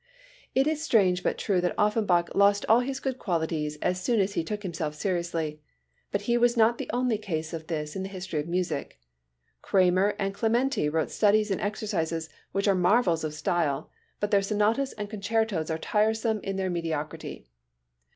It is strange but true that Offenbach lost all his good qualities as soon as he took himself seriously. But he was not the only case of this in the history of music. Cramer and Clementi wrote studies and exercises which are marvels of style, but their sonatas and concertos are tiresome in their mediocrity.